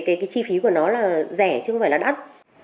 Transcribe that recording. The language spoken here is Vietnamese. cái chi phí của nó là rẻ chứ không phải là đắt